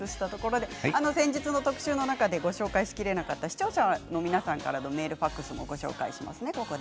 特集の中でご紹介しきれなかった視聴者の皆さんからのメール、ファックスをご紹介します。